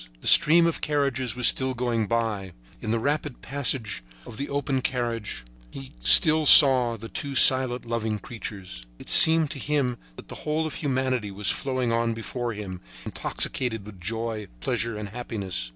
The stream of carriages was still going by. In the rapid passage of the open carriage he still saw the two silent, loving creatures. It seemed to him that the whole of humanity was flowing on before him, intoxicated with joy, pleasure and happiness.